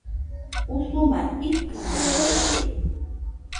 Usuma ikɨrirede